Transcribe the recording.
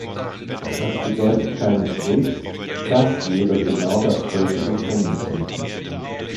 Das bedeutet keineswegs, dass jeder genau das gleiche bekommen sollte.